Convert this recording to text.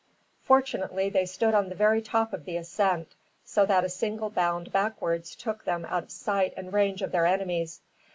Fortunately, they stood on the very top of the ascent, so that a single bound backwards took them out of sight and range of their enemies.